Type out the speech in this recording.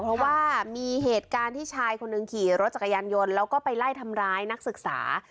เพราะว่ามีเหตุการณ์ที่ชายคนหนึ่งขี่รถจักรยานยนต์แล้วก็ไปไล่ทำร้ายนักศึกษา